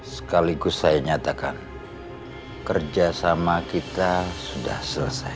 sekaligus saya nyatakan kerjasama kita sudah selesai